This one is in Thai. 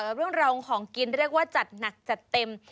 เรื่องราวของกินเรียกว่าจัดหนักจัดเต็ม